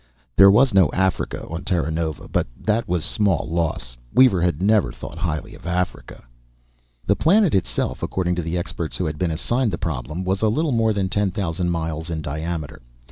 There was no Africa on Terranova, but that was small loss: Weaver had never thought highly of Africa. The planet itself, according to the experts who had been assigned the problem, was a little more than ten thousand miles in diameter.